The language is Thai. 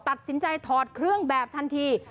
ตัดสินใจถอดเครื่องแบบทันที